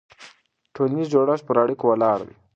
ټولنیز جوړښت پر اړیکو ولاړ وي.